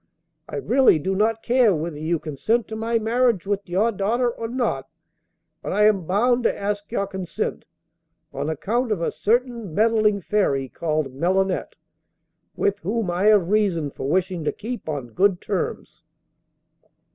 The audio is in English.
I really do not care whether you consent to my marriage with your daughter or not, but I am bound to ask your consent, on account of a certain meddling Fairy called Melinette, with whom I have reason for wishing to keep on good terms.